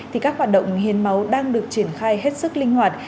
thì các hoạt động hiến máu đang được triển khai hết sức linh hoạt